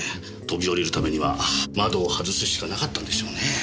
飛び降りるためには窓を外すしかなかったんでしょうね。